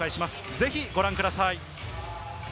ぜひご覧ください。